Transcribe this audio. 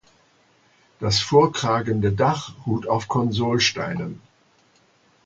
Das vorkragende Dach ruht auf Konsolsteinen.